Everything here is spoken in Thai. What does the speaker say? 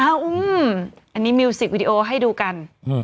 อันนี้มิวสิกวิดีโอให้ดูกัน